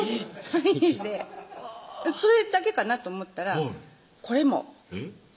サインしてそれだけかなと思ったら「これも」